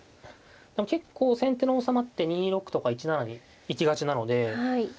でも結構先手の王様って２六とか１七に行きがちなのでそうですね